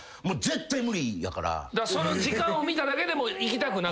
その時間を見ただけでも行きたくなくなる。